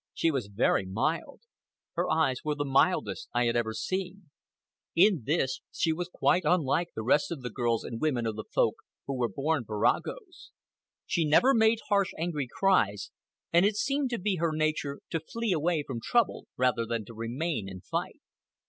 She was very mild. Her eyes were the mildest I had ever seen. In this she was quite unlike the rest of the girls and women of the Folk, who were born viragos. She never made harsh, angry cries, and it seemed to be her nature to flee away from trouble rather than to remain and fight.